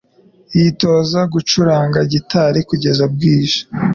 Yitoza gucuranga gitari kugeza bwije.